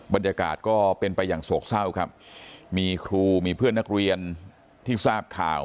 บรรยากาศก็เป็นไปอย่างโศกเศร้าครับมีครูมีเพื่อนนักเรียนที่ทราบข่าว